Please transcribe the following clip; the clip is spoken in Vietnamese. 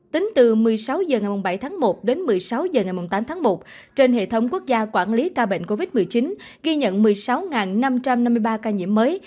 tính từ một mươi sáu h ngày bảy tháng một đến một mươi sáu h ngày tám tháng một trên hệ thống quốc gia quản lý ca bệnh covid một mươi chín ghi nhận một mươi sáu năm trăm năm mươi ba ca nhiễm mới